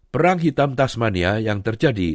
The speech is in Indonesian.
perang hitam tasmania yang terjadi